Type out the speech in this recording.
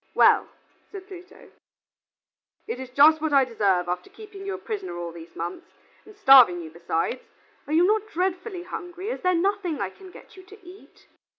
"Well," said Pluto, "it is just what I deserve after keeping you a prisoner all these months, and starving you besides. Are you not dreadfully hungry, is there nothing I can get you to eat?"